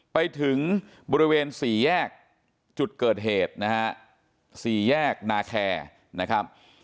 ไปถึงบริเวณสี่แยกจุดเกิดเหตุสี่แยกนาแคร